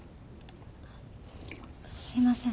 すいません。